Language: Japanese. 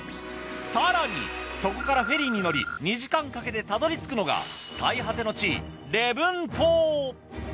更にそこからフェリーに乗り２時間かけてたどり着くのが最果ての地礼文島。